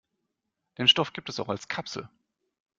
Den Stoff gibt es auch als Kapsel.